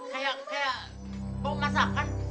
kayak kayak mau masakan